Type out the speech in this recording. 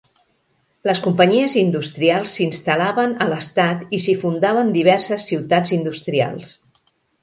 Les companyies industrials s'instal·laven a l'estat i s'hi fundaven diverses ciutats industrials.